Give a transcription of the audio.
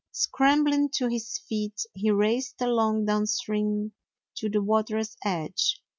Scrambling to his feet he raced along downstream to the water's edge.